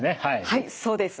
はいそうです。